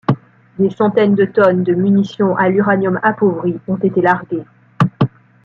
Des centaines de tonnes de munitions à l'uranium appauvri ont été larguées.